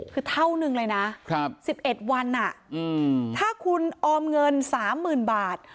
คือเท่านึงเลยนะ๑๑วันถ้าคุณออมเงิน๓๐๐๐บาท